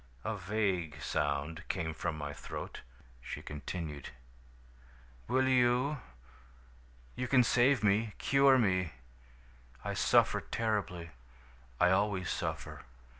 A vague sound came from my throat. "She continued: "'Will you? You can save me, cure me. I suffer terribly. I always suffer.